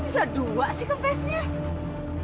bisa dua sih kempesnya